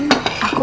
nah ya cepet